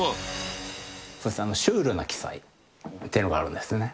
シュールな奇祭っていうのがあるんですね。